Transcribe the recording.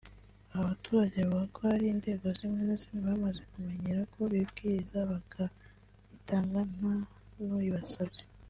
Aba baturage bavuga ko hari inzego zimwe na zimwe bamaze kumenyera ko bibwiriza bakayitanga nta n’uyibasabye